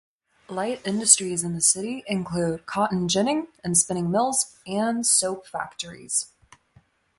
Light industries in the city include cotton ginning and spinning mills and soap factories.